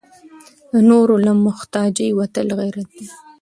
د نورو له محتاجۍ وتل غیرت دی.